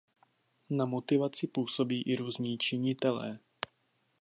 Na motivaci působí i různí činitelé.